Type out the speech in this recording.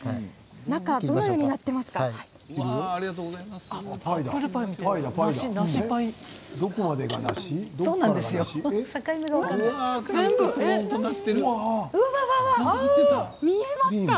中はどのようになっているんですか。